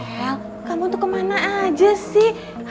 hel kamu tuh kemana aja sih